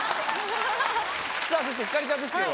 さぁそして星ちゃんですけど。